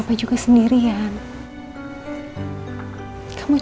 kalau nino benar benar menuruti pergerakan nino